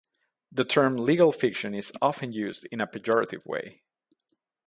The term "legal fiction" is often used in a pejorative way.